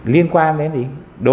liên quan đến gì đồ ăn thức uống